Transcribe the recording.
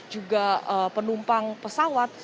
juga penumpang pesawat